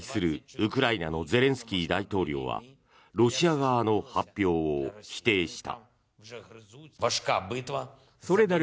ウクライナのゼレンスキー大統領はロシア側の発表を否定した。